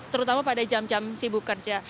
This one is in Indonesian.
terutama pada jam jam sibuk kerja